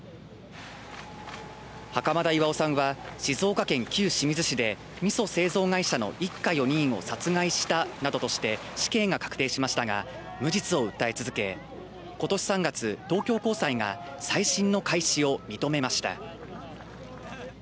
袴田巖さんは静岡県旧清水市でみそ製造会社の一家４人を殺害したなどとして死刑が確定しましたが無実を訴え続け、今年３月、東京高裁が再審の開始を認めました。